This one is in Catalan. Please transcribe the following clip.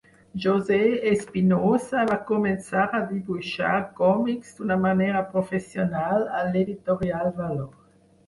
José Espinosa, va començar a dibuixar còmics d'una manera professional a l'editorial Valor.